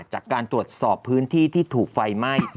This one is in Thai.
จากการตรวจสอบพื้นที่ที่ถูกไฟไหม้